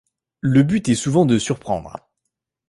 Le but est souvent de surprendre.